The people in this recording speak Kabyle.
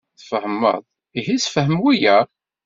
Tfehmeḍ! Ihi ssefhem wiyaḍ.